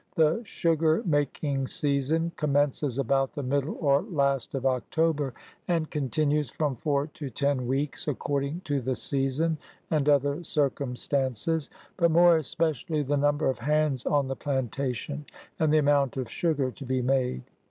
The sugar mak ing season commences about the middle or last of Oc tober, and continues from four to ten weeks, according to the season and other circumstances : but more espe cially, the number of hands on the plantation, and the amount of sugar to be made.